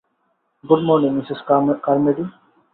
Good morning, Mrs Carmody!